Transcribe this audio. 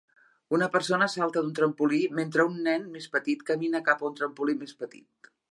Una persona salta d'un trampolí mentre un nen més petit camina cap a un trampolí més petit.